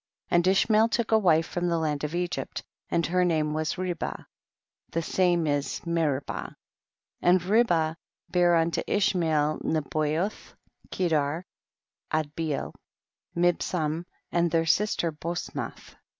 And Ishmael took a wife from the land of Egypt, and her name was Ribah, the same is Meribah. 16. And Ribah bare unto Ishmael Nebayoth, Kedar, Adbecl, Mibsam and their sister Bosmath. 17.